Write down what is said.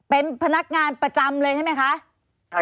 เป็นพนักงานประจำเลยใช่ไหมคะ